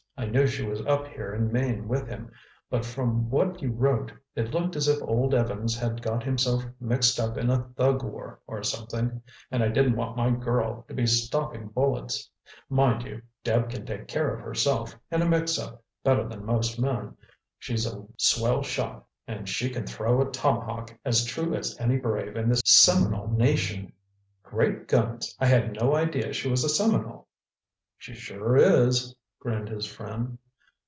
I knew she was up here in Maine with him, but from what you wrote, it looked as if old Evans had got himself mixed up in a thug war or something, and I didn't want my girl to be stopping bullets. Mind you, Deb can take care of herself in a mixup better than most men. She's a swell shot, and she can throw a tomahawk as true as any brave in the Seminole Nation." "Great guns! I had no idea she was a Seminole!" "She sure is," grinned his friend.